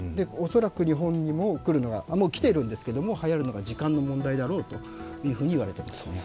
恐らく日本にも、もう来ているんですけれどもはやるのは時間の問題だろうと言われています。